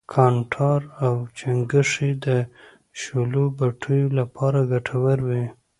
کانټار او چنگښې د شولو پټیو لپاره گټور وي.